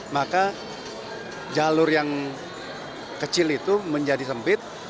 maka jalur yang kecil itu menjadi sempit